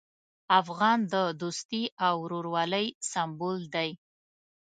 افغان د دوستي او ورورولۍ سمبول دی.